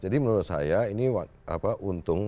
jadi menurut saya ini untung